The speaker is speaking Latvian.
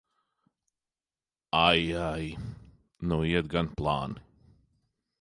Ai, ai! Nu iet gan plāni!